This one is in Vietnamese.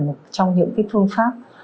một trong những phương pháp